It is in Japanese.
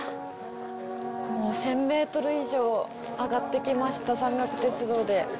１０００メートル以上上がってきました、山岳鉄道で。